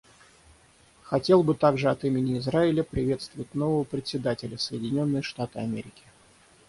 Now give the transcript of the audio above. Хотел бы также от имени Израиля приветствовать нового Председателя — Соединенные Штаты Америки.